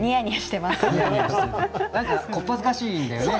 なんか小っ恥ずかしいんだよね